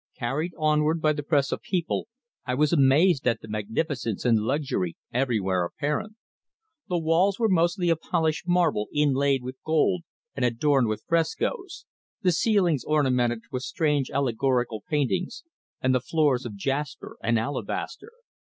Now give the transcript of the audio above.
Carried onward by the press of people, I was amazed at the magnificence and luxury everywhere apparent. The walls were mostly of polished marble inlaid with gold and adorned with frescoes, the ceilings ornamented with strange allegorical paintings, and the floors of jasper and alabaster.